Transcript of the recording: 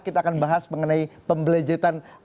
kita akan bahas mengenai pembelejetan